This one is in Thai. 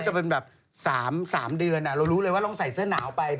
จะเป็นแบบ๓เดือนเรารู้เลยว่าต้องใส่เสื้อหนาวไป